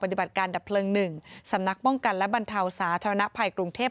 ปฏิบัติการดับเพลิง๑สำนักป้องกันและบรรเทาสาธารณภัยกรุงเทพ